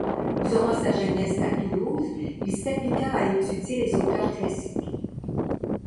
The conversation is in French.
Durant sa jeunesse à Toulouse, il s’appliqua à étudier les auteurs classiques.